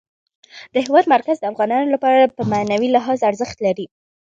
د هېواد مرکز د افغانانو لپاره په معنوي لحاظ ارزښت لري.